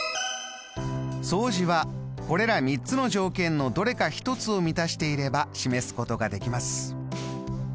相似はこれら３つの条件のどれか１つを満たしていれば示すことができます。